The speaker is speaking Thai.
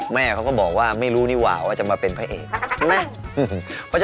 แม่เขาก็บอกว่าไม่รู้นี่หว่าว่าจะมาเป็นพระเอก